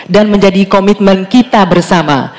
dan menjadi komitmen kita bersama